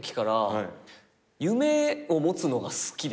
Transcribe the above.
夢を持つのが好き？